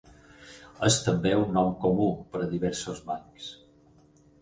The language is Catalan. És també un nom comú per a diversos bancs.